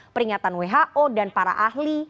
peringatan who dan para ahli